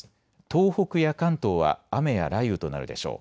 東北や関東は雨や雷雨となるでしょう。